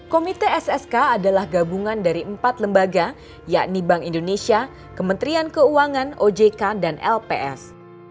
komite ssk adalah gabungan dari empat lembaga yakni bank indonesia kementerian keuangan ojk dan lps